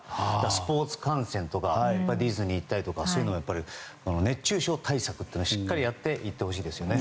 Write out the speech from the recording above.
スポーツ観戦とかディズニー行ったりとかそういうのは熱中症対策をしっかりやっていってほしいですよね。